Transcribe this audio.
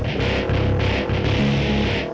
biasa kyk iek tri blahem